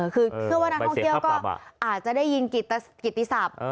คือเชื่อว่านักท่องเที่ยวก็อาจจะได้ยินกิติศัพท์